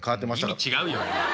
意味違うよ。